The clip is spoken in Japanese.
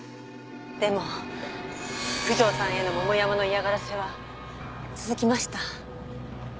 でも九条さんへの桃山の嫌がらせは続きました。